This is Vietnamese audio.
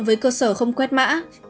với cơ sở không quét mã